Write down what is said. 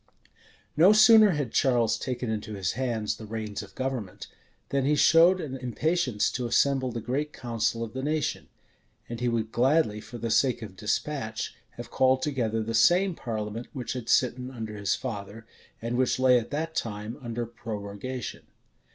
} No sooner had Charles taken into his hands the reins of government, than he showed an impatience to assemble the great council of the nation; and he would gladly, for the sake of despatch, have called together the same parliament which had sitten under his father, and which lay at that time under prorogation.